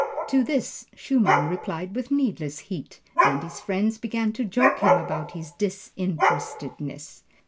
To this Schumann replied with needless heat, and his friends began to joke him about his "disinterestedness."